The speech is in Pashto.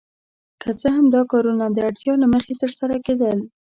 که څه هم دا کارونه د اړتیا له مخې ترسره کیدل.